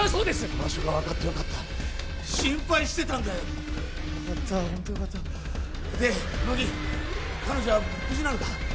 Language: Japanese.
居場所が分かってよかった心配してたんだよよかったホントよかったで乃木彼女は無事なのか？